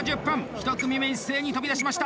１組目一斉に飛び出しました！